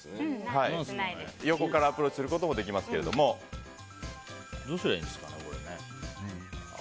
横からアプローチすることもどうすりゃいいんですかね。